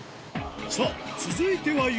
さぁ続いては夢